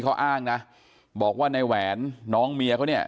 เขาอ้างนะบอกว่าในแหวนน้องเมียเขาเนี่ย